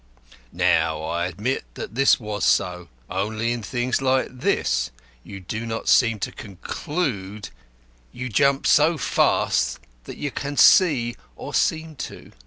Now I admit that this was so, only in things like this you do not seem to conclude, you jump so fast that you see, or seem to.